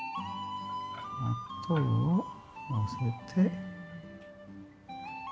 納豆をのせて。